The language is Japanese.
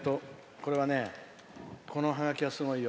これはね、このハガキはすごいよ。